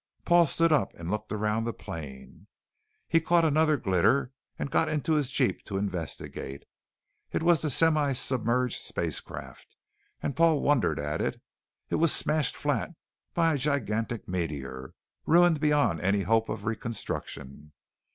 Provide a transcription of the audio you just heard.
Paul stood up and looked around the plain. He caught another glitter, and got into his jeep to investigate. It was the semi submerged spacecraft, and Paul wondered at it. It was smashed flat by a gigantic meteor, ruined beyond any hope of reconstruction.